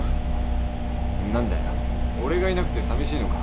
何だよ俺がいなくてさみしいのか。